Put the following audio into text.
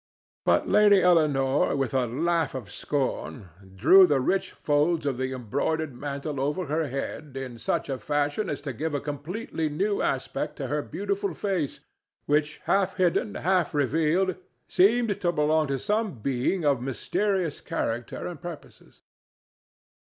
But Lady Eleanore, with a laugh of scorn, drew the rich folds of the embroidered mantle over her head in such a fashion as to give a completely new aspect to her beautiful face, which, half hidden, half revealed, seemed to belong to some being of mysterious character and purposes.